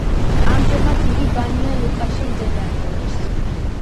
ამჟამად, იგი ბანია-ლუკაში მდებარეობს.